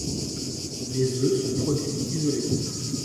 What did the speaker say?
Les œufs sont produits isolément.